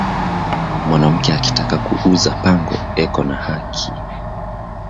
Mwanamke akitaka ku uza pango eko na haki